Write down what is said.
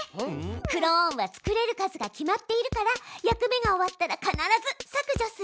クローンは作れる数が決まっているから役目が終わったら必ず「削除する」をつけて。